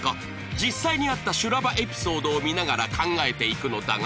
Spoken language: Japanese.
実際にあった修羅場エピソードを見ながら考えていくのだが